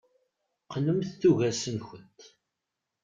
Qqnemt tuggas-nkent.